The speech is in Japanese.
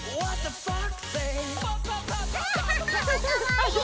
かわいい。